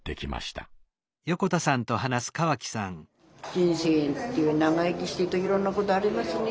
人生長生きしてるといろんなことありますね。